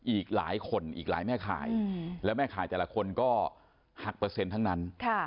อีกหลายคนอีกหลายแม่ข่ายแล้วแม่ข่ายแต่ละคนก็หักเปอร์เซ็นต์ทั้งนั้น